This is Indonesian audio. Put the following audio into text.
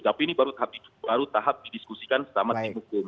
tapi ini baru tahap didiskusikan sama tim hukum